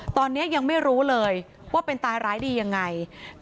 ตอนนี้ยังไม่รู้เลยว่าเป็นตายร้ายดียังไง